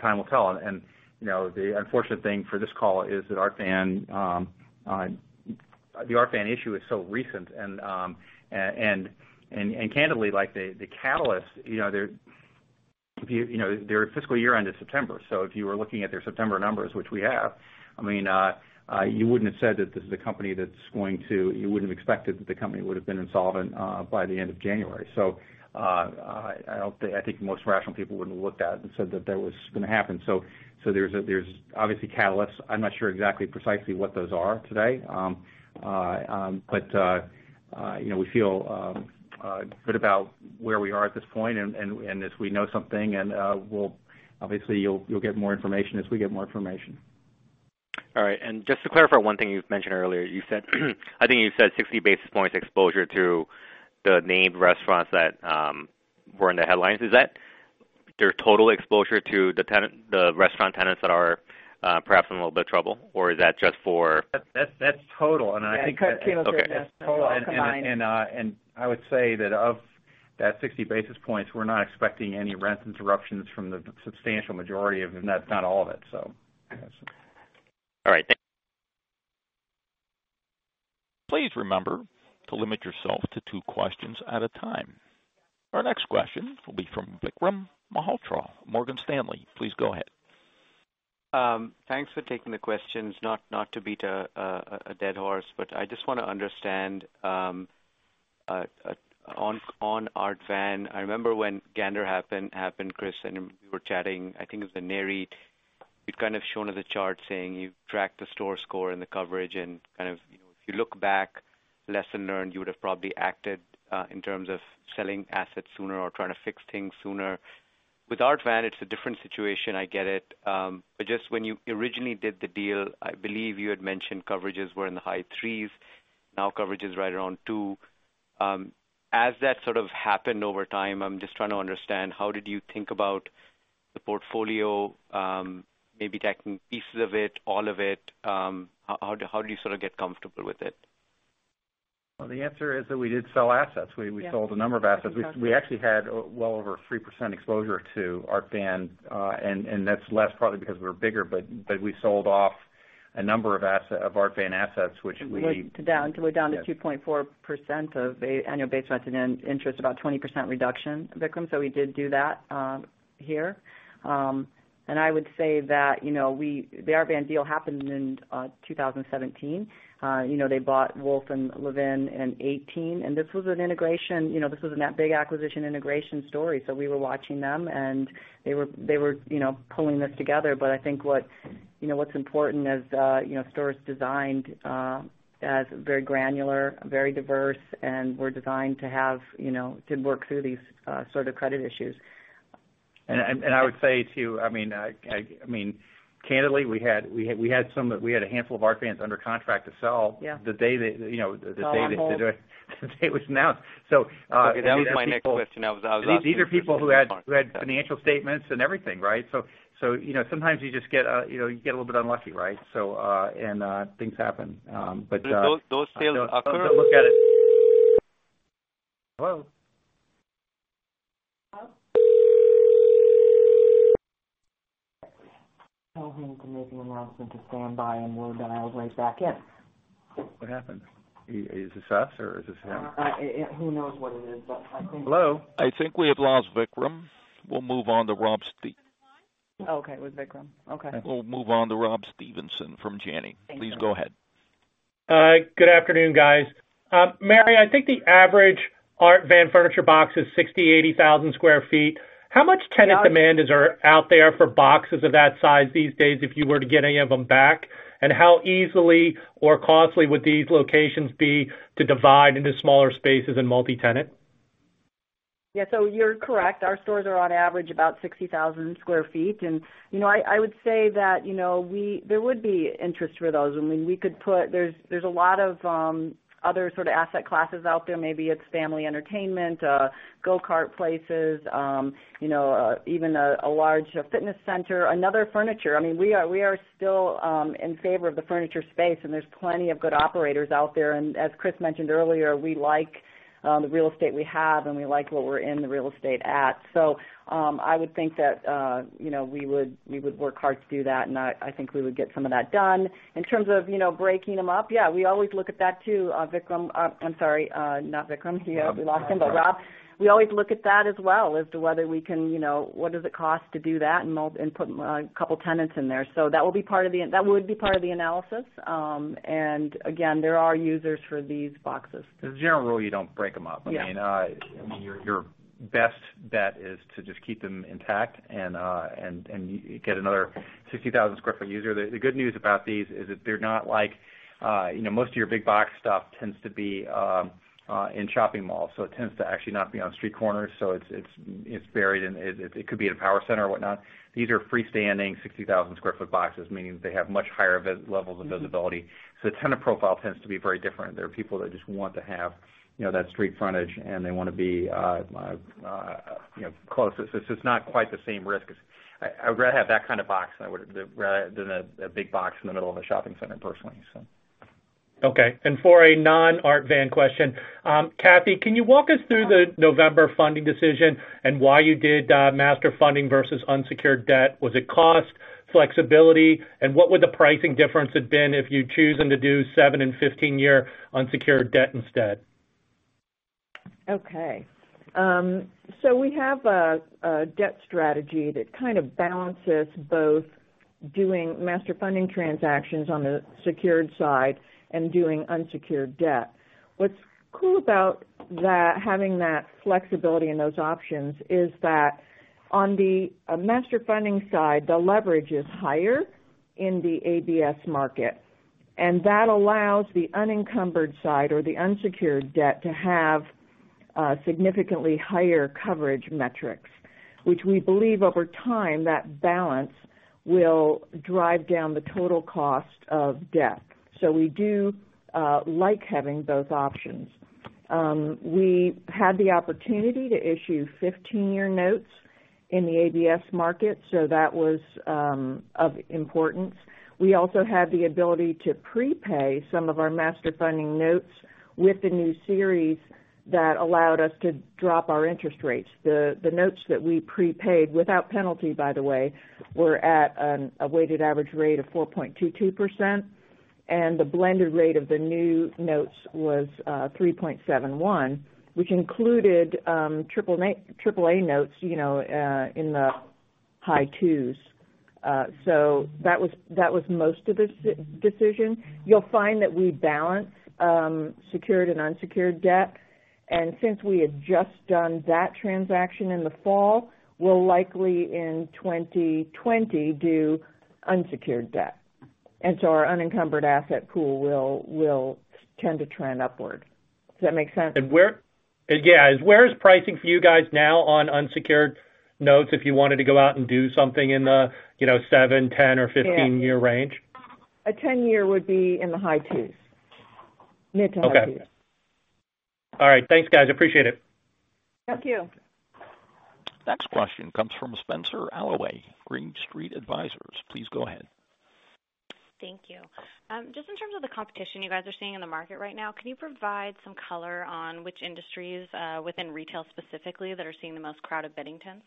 Time will tell. The unfortunate thing for this call is that the Art Van issue is so recent, and candidly, like the catalyst. Their fiscal year end is September. If you were looking at their September numbers, which we have, you wouldn't have said that this is a company. You wouldn't have expected that the company would have been insolvent by the end of January. I think most rational people wouldn't have looked at it and said that that was going to happen. There's obviously catalysts. I'm not sure exactly precisely what those are today. We feel good about where we are at this point, and as we know something, obviously you'll get more information as we get more information. All right. Just to clarify one thing you've mentioned earlier. I think you said 60 basis points exposure to the named restaurants that were in the headlines. Is that their total exposure to the restaurant tenants that are perhaps in a little bit of trouble, or is that just? That's total. Yeah. Ki Bin, that's total. [CROSSTALK] I would say that of that 60 basis points, we're not expecting any rent interruptions from the substantial majority of them. That's not all of it, so yes. All right. Thank you. Please remember to limit yourself to two questions at a time. Our next question will be from Vikram Malhotra, Morgan Stanley. Please go ahead. Thanks for taking the questions. Not to beat a dead horse, but I just want to understand on Art Van. I remember when Gander happened, Chris, and we were chatting, I think it was at Nareit. You'd kind of shown us a chart saying you've tracked the STORE Score and the coverage, and if you look back, lesson learned, you would've probably acted in terms of selling assets sooner or trying to fix things sooner. With Art Van, it's a different situation, I get it. Just when you originally did the deal, I believe you had mentioned coverages were in the high threes, now coverage is right around two. As that sort of happened over time, I'm just trying to understand, how did you think about the portfolio? Maybe taking pieces of it, all of it. How do you sort of get comfortable with it? Well, the answer is that we did sell assets. Yeah. We sold a number of assets. We actually had well over 3% exposure to Art Van, and that's less partly because we're bigger, but we sold off a number of Art Van assets, which we. To down to 2.4% of annual base rent and interest, about 20% reduction, Vikram. We did do that here. I would say that the Art Van deal happened in 2017. They bought Wolf and Levin in 2018, and this was in that big acquisition integration story. We were watching them, and they were pulling this together. I think what's important is STORE designed as very granular, very diverse, and were designed to work through these sort of credit issues. I would say, too, candidly, we had a handful of Art Vans under contract to sell. Yeah. The day they. All on hold. The day it was announced. That was my next question. These are people who had financial statements and everything, right? Sometimes you just get a little bit unlucky, right? Things happen. Do those still occur? Hello? Hello? Tell him to make an announcement to stand by, and we'll dial right back in. What happened? Is this us or is this him? Who knows what it is. Hello? I think we have lost Vikram. We'll move on to Rob [AUDIO DISTORTION] Okay. It was Vikram. Okay. We'll move on to Rob Stevenson from Janney. Thanks, Vikram. Please go ahead. Good afternoon, guys. Mary, I think the average Art Van Furniture box is 60,000 sq ft-80,000 sq ft. How much tenant demand is out there for boxes of that size these days, if you were to get any of them back? How easily or costly would these locations be to divide into smaller spaces and multi-tenant? Yeah. You're correct. Our stores are on average about 60,000 sq ft. I would say that there would be interest for those. There's a lot of other sort of asset classes out there. Maybe it's family entertainment, go-kart places, even a large fitness center, another furniture. We are still in favor of the furniture space, and there's plenty of good operators out there. As Chris mentioned earlier, we like the real estate we have, and we like what we're in the real estate at. I would think that we would work hard to do that, and I think we would get some of that done. In terms of breaking them up, yeah, we always look at that, too, Vikram. I'm sorry, not Vikram. We lost him. Rob, we always look at that as well as to what does it cost to do that and put a couple tenants in there. That would be part of the analysis. Again, there are users for these boxes. As a general rule, you don't break them up. Yeah. Your best bet is to just keep them intact and get another 60,000 sq ft user. The good news about these is that they're not like most of your big box stuff tends to be in shopping malls, so it tends to actually not be on street corners. It's buried, and it could be at a power center or whatnot. These are freestanding 60,000 sq ft boxes, meaning they have much higher levels of visibility. The tenant profile tends to be very different. There are people that just want to have that street frontage, and they want to be close. It's just not quite the same risk. I would rather have that kind of box than a big box in the middle of a shopping center, personally. Okay. For a non-Art Van question, Cathy, can you walk us through the November funding decision and why you did Master Funding versus unsecured debt? Was it cost? Flexibility? What would the pricing difference have been if you'd chosen to do seven and 15-year unsecured debt instead? Okay. We have a debt strategy that kind of balances both doing Master Funding transactions on the secured side and doing unsecured debt. What's cool about having that flexibility and those options is that on the Master Funding side, the leverage is higher in the ABS market, and that allows the unencumbered side or the unsecured debt to have significantly higher coverage metrics, which we believe over time, that balance will drive down the total cost of debt. We do like having those options. We had the opportunity to issue 15-year notes in the ABS market, so that was of importance. We also had the ability to prepay some of our Master Funding notes with the new series that allowed us to drop our interest rates. The notes that we prepaid, without penalty by the way, were at a weighted average rate of 4.22%. The blended rate of the new notes was 3.71%, which included AAA notes in the high 2s%. That was most of the decision. You'll find that we balance secured and unsecured debt, and since we had just done that transaction in the fall, we'll likely in 2020 do unsecured debt. Our unencumbered asset pool will tend to trend upward. Does that make sense? Yeah. Where is pricing for you guys now on unsecured notes, if you wanted to go out and do something in the seven, 10 or 15-year range? A 10-year would be in the high twos. Mid to high twos. Okay. All right. Thanks, guys, appreciate it. Thank you. Next question comes from Spenser Allaway, Green Street Advisors. Please go ahead. Thank you. Just in terms of the competition you guys are seeing in the market right now, can you provide some color on which industries within retail specifically that are seeing the most crowded bidding tents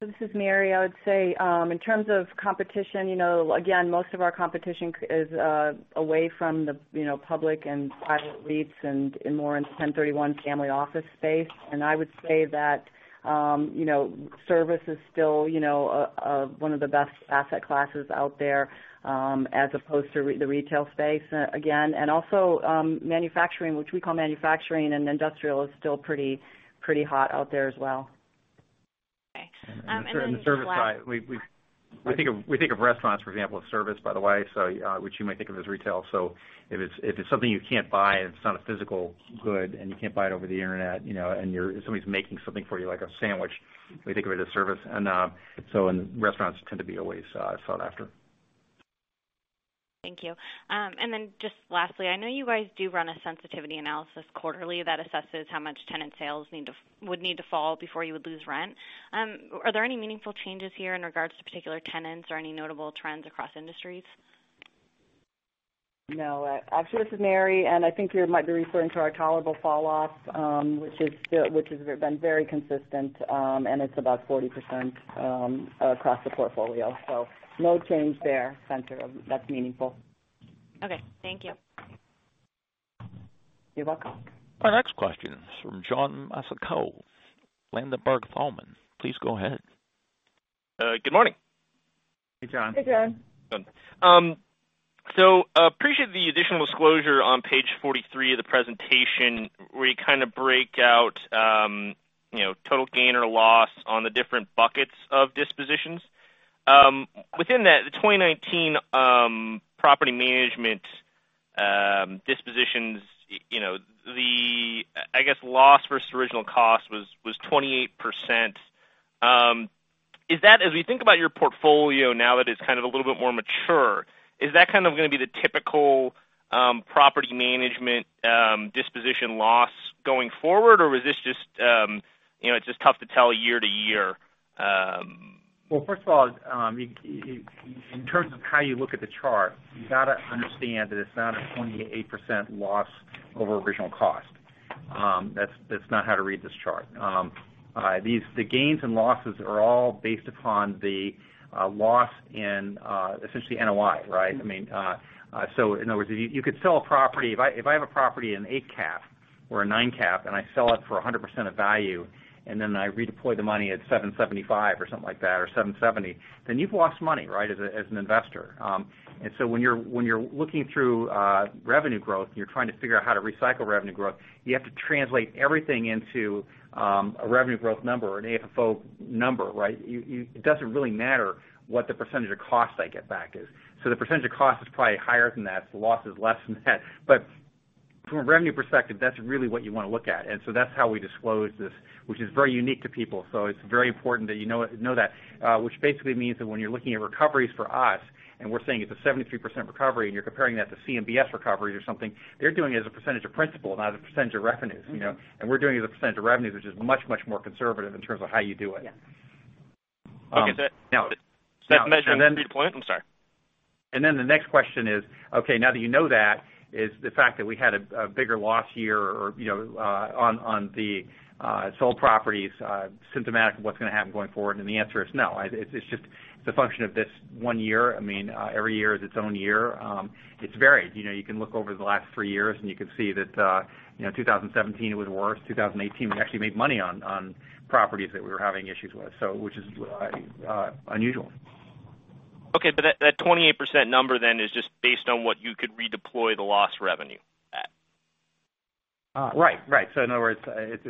This is Mary. I would say, in terms of competition, again, most of our competition is away from the public and private REITs and more in 1031 family office space. I would say that service is still one of the best asset classes out there as opposed to the retail space, again. Also manufacturing, which we call manufacturing and industrial, is still pretty hot out there as well. Okay. In the service side, we think of restaurants, for example, as service, by the way, so which you might think of as retail. If it's something you can't buy and it's not a physical good and you can't buy it over the internet, and somebody's making something for you like a sandwich, we think of it as service. Restaurants tend to be always sought after. Thank you. Just lastly, I know you guys do run a sensitivity analysis quarterly that assesses how much tenant sales would need to fall before you would lose rent. Are there any meaningful changes here in regards to particular tenants or any notable trends across industries? No. Actually, this is Mary, I think you might be referring to our tolerable fall off, which has been very consistent. It's about 40% across the portfolio. No change there, Spenser, that's meaningful. Okay, thank you. You're welcome. Our next question is from John Massocca, Ladenburg Thalmann. Please go ahead. Good morning. Hey, John. Hey, John. Appreciate the additional disclosure on page 43 of the presentation, where you kind of break out total gain or loss on the different buckets of dispositions. Within that, the 2019 property management dispositions, the, I guess, loss versus original cost was 28%. As we think about your portfolio now that it's kind of a little bit more mature, is that kind of going to be the typical property management disposition loss going forward, or is this just it's just tough to tell year to year? Well, first of all, in terms of how you look at the chart, you've got to understand that it's not a 28% loss over original cost. That's not how to read this chart. The gains and losses are all based upon the loss in essentially NOI, right? In other words, you could sell a property. If I have a property in eight CAP or a nine CAP, and I sell it for 100% of value, and then I redeploy the money at 775 or something like that, or 770, then you've lost money as an investor. When you're looking through revenue growth and you're trying to figure out how to recycle revenue growth, you have to translate everything into a revenue growth number or an AFFO number, right? It doesn't really matter what the percentage of cost I get back is. The percentage of cost is probably higher than that. The loss is less than that. From a revenue perspective, that's really what you want to look at. That's how we disclose this, which is very unique to people. It's very important that you know that. Which basically means that when you're looking at recoveries for us, and we're saying it's a 73% recovery, and you're comparing that to CMBS recoveries or something, they're doing it as a percentage of principal, not as a percentage of revenues. We're doing it as a percentage of revenues, which is much, much more conservative in terms of how you do it. Yeah. Okay. That measure and then. I'm sorry. The next question is, okay, now that you know that, is the fact that we had a bigger loss year on the sold properties symptomatic of what's going to happen going forward? The answer is no. It's just the function of this one year. Every year is its own year. It's varied. You can look over the last three years, and you can see that 2017 was worse. 2018, we actually made money on properties that we were having issues with, which is unusual. Okay. That 28% number then is just based on what you could redeploy the loss revenue at. Right. In other words, it's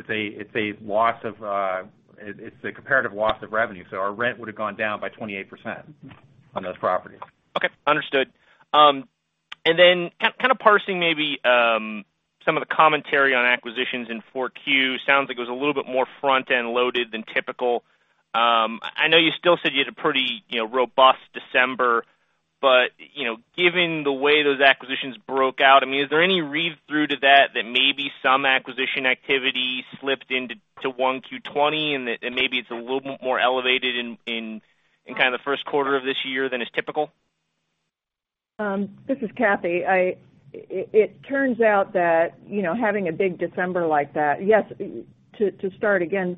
a comparative loss of revenue. Our rent would've gone down by 28% on those properties. Okay. Understood. Kind of parsing maybe some of the commentary on acquisitions in 4Q, sounds like it was a little bit more front-end loaded than typical. I know you still said you had a pretty robust December. Given the way those acquisitions broke out, is there any read-through to that that maybe some acquisition activity slipped into 1Q 2020, and maybe it's a little bit more elevated in kind of the first quarter of this year than is typical? This is Cathy. It turns out that having a big December like that. Yes, to start again,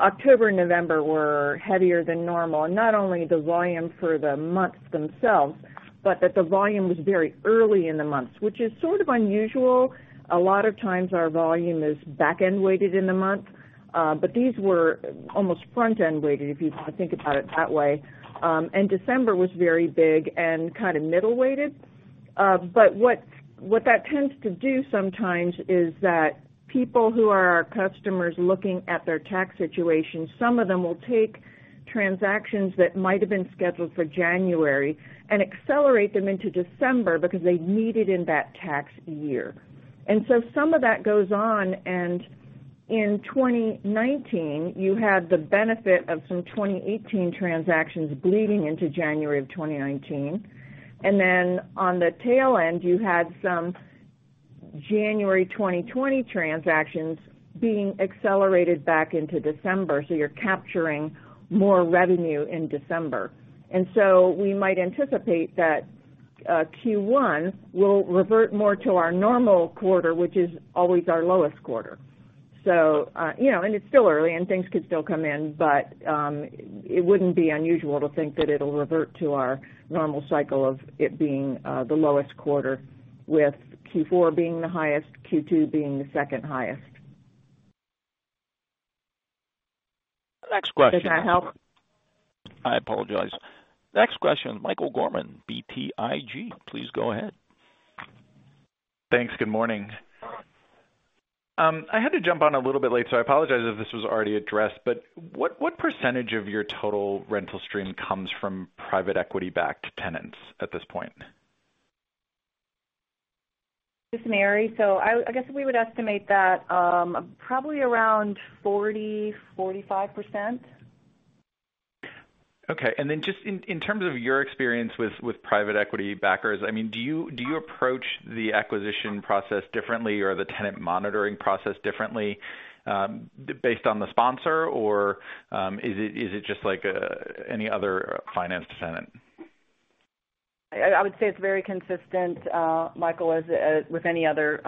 October and November were heavier than normal, and not only the volume for the months themselves, but that the volume was very early in the months, which is sort of unusual. A lot of times our volume is back-end weighted in the month. These were almost front-end weighted, if you want to think about it that way. December was very big and kind of middle-weighted. What that tends to do sometimes is that people who are our customers looking at their tax situation, some of them will take transactions that might have been scheduled for January and accelerate them into December because they need it in that tax year. Some of that goes on, and in 2019, you had the benefit of some 2018 transactions bleeding into January of 2019. On the tail end, you had some January 2020 transactions being accelerated back into December, so you're capturing more revenue in December. We might anticipate that Q1 will revert more to our normal quarter, which is always our lowest quarter. It's still early, and things could still come in, but it wouldn't be unusual to think that it'll revert to our normal cycle of it being the lowest quarter, with Q4 being the highest, Q2 being the second highest. Next question. Does that help? I apologize. Next question, Michael Gorman, BTIG. Please go ahead. Thanks. Good morning. I had to jump on a little bit late, so I apologize if this was already addressed, but what percent of your total rental stream comes from private equity-backed tenants at this point? This is Mary. I guess we would estimate that probably around 40%-45%. Okay. Just in terms of your experience with private equity backers, do you approach the acquisition process differently or the tenant monitoring process differently based on the sponsor, or is it just like any other financed tenant? I would say it's very consistent, Michael, with any other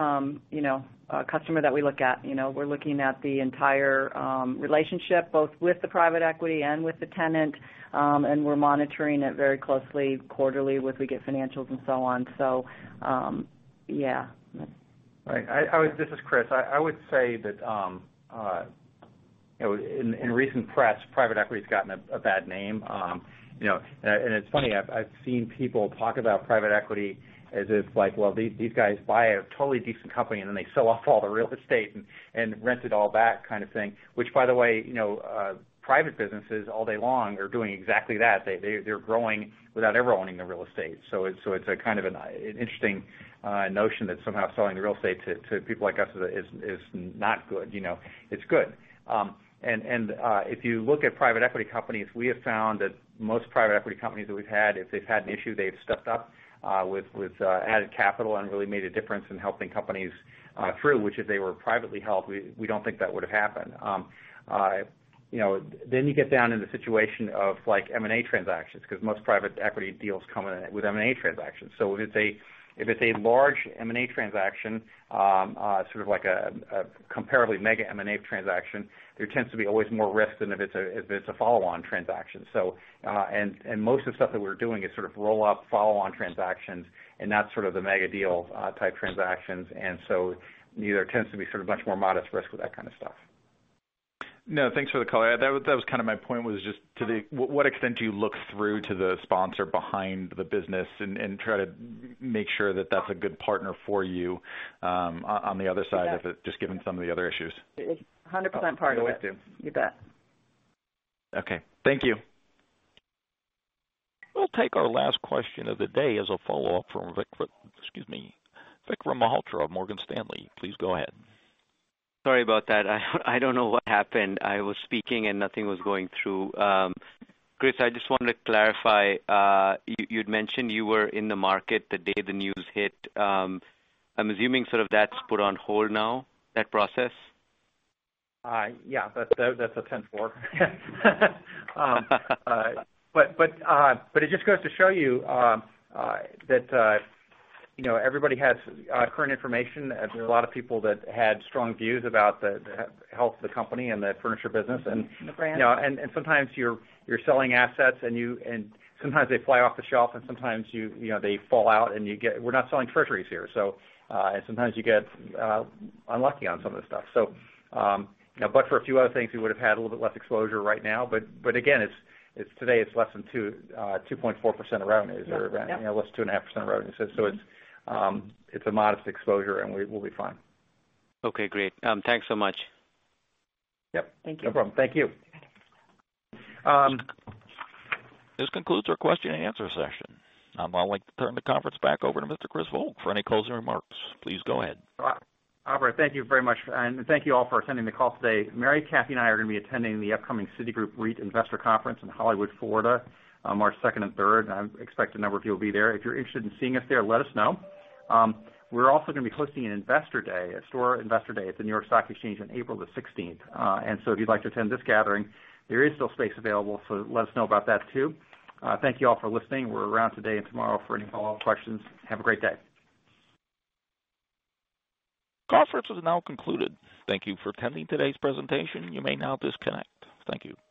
customer that we look at. We're looking at the entire relationship, both with the private equity and with the tenant, and we're monitoring it very closely quarterly with, we get financials and so on. Yeah. Right. This is Chris. I would say that in recent press, private equity's gotten a bad name. It's funny, I've seen people talk about private equity as if, like, well, these guys buy a totally decent company, and then they sell off all the real estate and rent it all back kind of thing. Which, by the way, private businesses all day long are doing exactly that. They're growing without ever owning the real estate. It's kind of an interesting notion that somehow selling the real estate to people like us is not good. It's good. If you look at private equity companies, we have found that most private equity companies that we've had, if they've had an issue, they've stepped up with added capital and really made a difference in helping companies through, which if they were privately held, we don't think that would have happened. You get down into the situation of M&A transactions, because most private equity deals come in with M&A transactions. If it's a large M&A transaction, sort of like a comparably mega M&A transaction, there tends to be always more risk than if it's a follow-on transaction. Most of the stuff that we're doing is sort of roll-up, follow-on transactions, and not sort of the mega-deal type transactions. There tends to be sort of much more modest risk with that kind of stuff. Thanks for the color. That was kind of my point, was just to what extent do you look through to the sponsor behind the business and try to make sure that that's a good partner for you on the other side of it, just given some of the other issues? It's 100% part of it. Always do. You bet. Okay. Thank you. We'll take our last question of the day as a follow-up from Vikram. Excuse me, Vikram Malhotra of Morgan Stanley. Please go ahead. Sorry about that. I don't know what happened. I was speaking, and nothing was going through. Chris, I just wanted to clarify. You'd mentioned you were in the market the day the news hit. I'm assuming sort of that's put on hold now, that process? Yeah. That's a 10%-4%. It just goes to show you that everybody has current information. There's a lot of people that had strong views about the health of the company and the furniture business. The brand. Sometimes you're selling assets, and sometimes they fly off the shelf and sometimes they fall out. We're not selling treasuries here. Sometimes you get unlucky on some of the stuff. For a few other things, we would have had a little bit less exposure right now. Again, today it's less than 2.4% of revenues. Yep. Less than 2.5% of revenues. It's a modest exposure, and we'll be fine. Okay, great. Thanks so much. Yep. Thank you. No problem. Thank you. Okay. This concludes our question and answer session. I'd like to turn the conference back over to Mr. Chris Volk for any closing remarks. Please go ahead. Aubrey, thank you very much. Thank you all for attending the call today. Mary, Cathy, and I are going to be attending the upcoming Citigroup REIT Investor Conference in Hollywood, Florida, on March second and third. I expect a number of you will be there. If you're interested in seeing us there, let us know. We're also going to be hosting an investor day, a STORE Investor Day at the New York Stock Exchange on April the 16th. If you'd like to attend this gathering, there is still space available, so let us know about that too. Thank you all for listening. We're around today and tomorrow for any follow-up questions. Have a great day. Conference is now concluded. Thank you for attending today's presentation. You may now disconnect. Thank you.